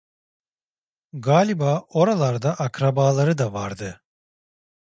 Galiba oralarda akrabaları da vardı.